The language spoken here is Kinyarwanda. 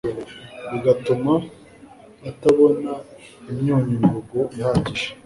bigatuma atabona imyunyu ngugu ihagije